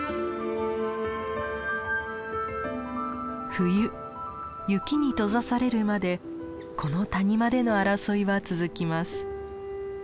冬雪に閉ざされるまでこの谷間での争いは続きます。